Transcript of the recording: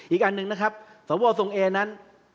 อีกอันหนึ่งนะครับสมมุติว่าอสงเอกนั้น